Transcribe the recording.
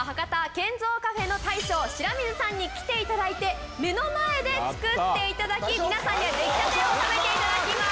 ＫＥＮＺＯＣａｆｅの大将白水さんに来ていただいて目の前で作っていただき皆さんに出来たてを食べていただきます。